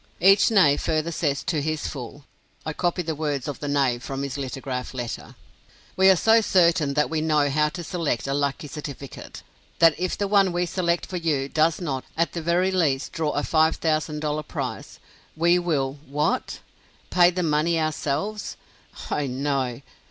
Each knave further says to his fool (I copy the words of the knave from his lithograph letter:) "We are so certain that we know how to select a lucky certificate, that if the one we select for you does not, at the very least, draw a $5,000 prize, we will" what? Pay the money ourselves? Oh no.